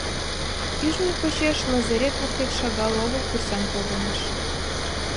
Ӱжмӧ почеш лазарет воктек шагал огыл курсант погыныш.